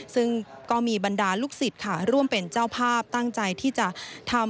ซึ่งก็มีบรรดาลูกศิษย์ค่ะร่วมเป็นเจ้าภาพตั้งใจที่จะทำ